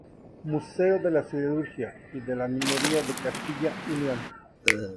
Museo de la Siderurgia y de la Minería de Castilla y León.